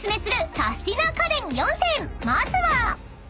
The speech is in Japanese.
［まずは］